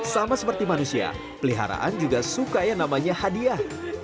sama seperti manusia peliharaan juga suka yang namanya hadiah